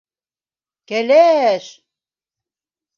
Кәлә-әш!